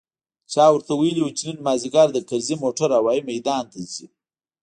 چا ورته ويلي و چې نن مازديګر د کرزي موټر هوايي ميدان ته ځي.